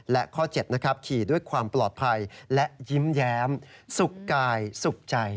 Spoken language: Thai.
และข้อ๗นะครับขี่ด้วยความปลอดภัยและยิ้มแย้มสุขกายสุขใจ